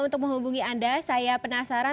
untuk menghubungi anda saya penasaran